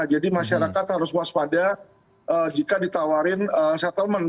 jadi masyarakat harus waspada jika ditawarin settlement